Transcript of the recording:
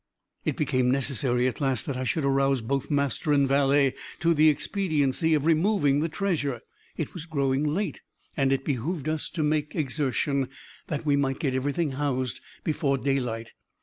It became necessary, at last, that I should arouse both master and valet to the expediency of removing the treasure. It was growing late, and it behooved us to make exertion, that we might get everything housed before daylight.